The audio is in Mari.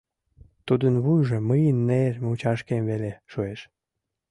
Тудын вуйжо мыйын нер мучашкем веле шуэш.